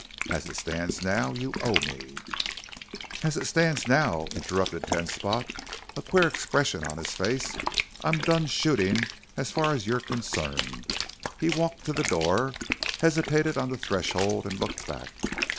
As it stands now you owe me " "As it stands now," interrupted Ten Spot, a queer expression on his face, "I'm done shootin' as far as you're concerned." He walked to the door, hesitated on the threshold and looked back.